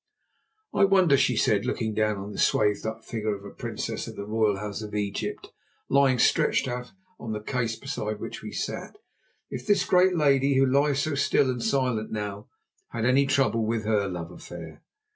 "I wonder," she said, looking down on the swathed up figure of a princess of the royal house of Egypt, lying stretched out in the case beside which we sat, "if this great lady, who lies so still and silent now, had any trouble with her love affair?"